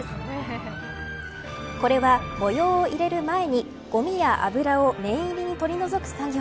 これは模様を入れる前にごみや油を念入りに取り除く作業。